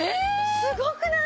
すごくない？